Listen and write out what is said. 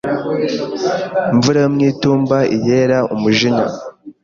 imvura yo mwitumba iyera umujinya